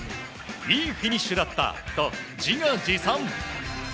いいフィニッシュだったと自画自賛。